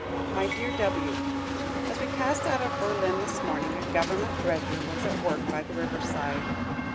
My Dear W : As we passed out of Berlin this morning, a government dredger was at work by the river side.